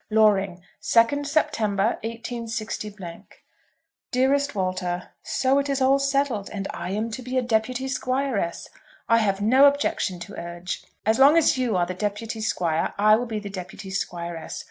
Loring, 2nd September, 186 . DEAREST WALTER, So it is all settled, and I am to be a deputy Squiress! I have no objection to urge. As long as you are the deputy Squire, I will be the deputy Squiress.